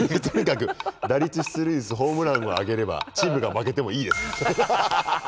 とにかく打率出塁率ホームランを上げればチームが負けてもいいです。